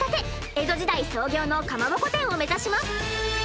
江戸時代創業のかまぼこ店を目指します。